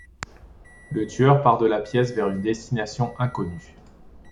Le tueur part de la pièce, vers une destination inconnue.